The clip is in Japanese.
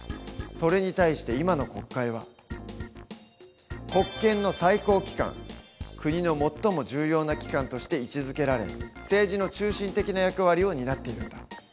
それに対して今の国会は国の最も重要な機関として位置づけられ政治の中心的な役割を担っているんだ。